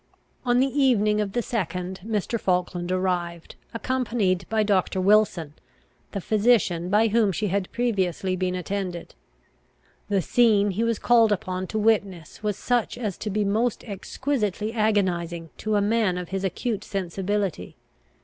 On the evening of the second Mr. Falkland arrived, accompanied by Doctor Wilson, the physician by whom she had previously been attended. The scene he was called upon to witness was such as to be most exquisitely agonising to a man of his acute sensibility.